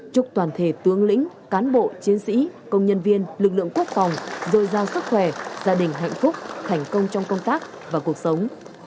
chúc toàn thể tướng lĩnh cán bộ chiến sĩ công nhân viên lực lượng quốc phòng dồi dào sức khỏe gia đình hạnh phúc thành công trong công tác và cuộc sống